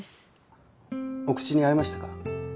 お口に合いましたか？